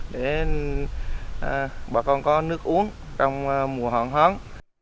để bà con có nước uống trong mùa hòn hón